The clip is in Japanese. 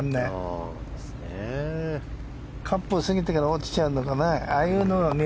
カップを過ぎてから落ちちゃうのかな。